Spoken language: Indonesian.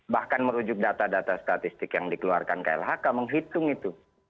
bahkan merujuk data data statistik yang dikeluarkan klhk menghitung itu